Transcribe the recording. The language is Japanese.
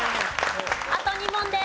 あと２問です。